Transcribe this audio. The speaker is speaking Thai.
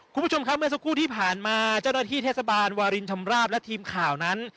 คุณผู้ชมครับเมื่อสักครู่ที่ผ่านมาเจ้าหน้าที่เทศบาลวารินชำราบและทีมข่าวนั้น